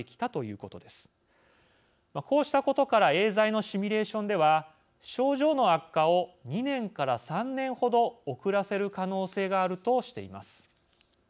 こうしたことからエーザイのシミュレーションでは症状の悪化を２年から３年ほど遅らせる可能性があるとしています。